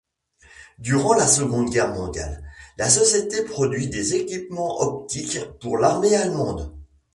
Durant la Seconde Guerre mondiale, la société produit des équipements optiques pour l'armée allemande.